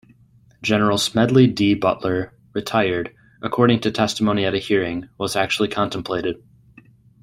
General Smedley D. Butler, retired, according to testimony at a hearing, was actually contemplated.